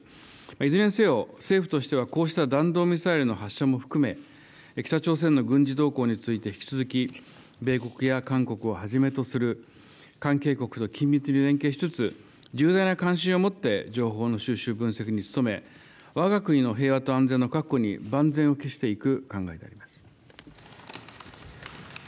いずれにせよ、政府としてはこうした弾道ミサイルの発射も含め、北朝鮮の軍事動向について引き続き米国や韓国をはじめとする関係国と緊密に連携しつつ、重大な関心を持って情報の収集、分析に努め、わが国の平和と安全の確保に万全を期していく考えであります。